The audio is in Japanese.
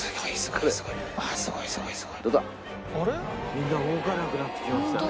みんな動かなくなってきましたね。